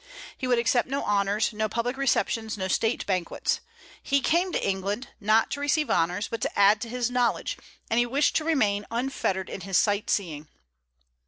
He would accept no honors, no public receptions, no state banquets. He came to England, not to receive honors, but to add to his knowledge, and he wished to remain unfettered in his sight seeing.